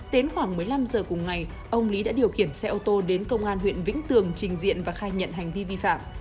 đến khoảng một mươi năm h cùng ngày ông lý đã điều khiển xe ô tô đến công an huyện vĩnh tường trình diện và khai nhận hành vi vi phạm